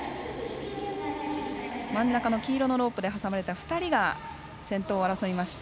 真ん中の黄色のロープで挟まれた２人が先頭を争いました。